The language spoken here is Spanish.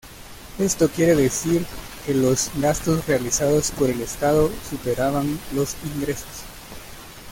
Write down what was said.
Esto quiere decir que los gastos realizados por el Estado superaban los ingresos.